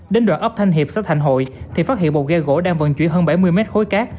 đến đoạn ấp thanh hiệp sắp thạnh hội thì phát hiện một ghe gỗ đang vận chuyển hơn bảy mươi mét khối cát